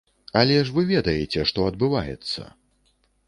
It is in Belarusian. Але ж вы ведаеце, што адбываецца!